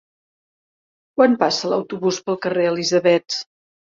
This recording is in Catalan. Quan passa l'autobús pel carrer Elisabets?